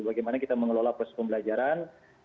bagaimana kita mengelola proses pembelajaran